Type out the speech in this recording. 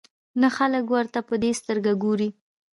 نه خلک ورته په دې سترګه ګوري.